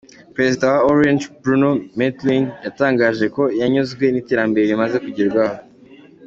Perezida wa Orange, Bruno Mettling yatangaje ko yanyuzwe n’iterambere rimaze kugerwaho.